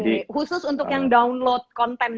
khusus untuk yang download konten